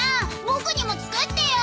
僕にも作ってよ。